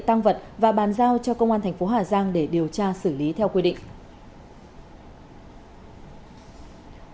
tăng vật và bàn giao cho công an thành phố hà giang để điều tra xử lý theo quy định